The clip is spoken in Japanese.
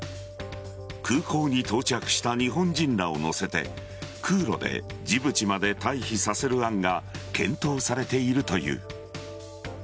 空港に到着した日本人らを乗せて空路でジブチまで退避させる案が検討されているという。